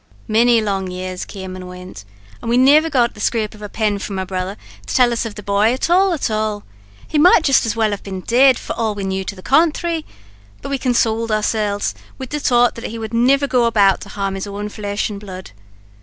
"Many long years came an' wint, and we niver got the scrape of a pen from my brother to tell us of the bhoy at all at all. He might jist as well have been dead, for aught we knew to the conthrary; but we consowled oursilves wid the thought, that he would niver go about to harm his own flesh and blood.